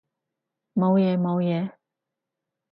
冇嘢冇嘢